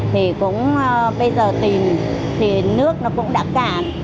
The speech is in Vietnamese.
thì cũng bây giờ tìm thì nước nó cũng đã cạn